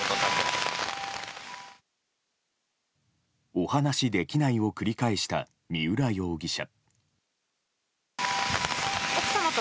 お話しできないを繰り返した三浦容疑者。